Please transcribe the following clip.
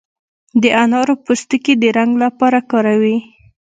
د انارو پوستکي د رنګ لپاره کاروي.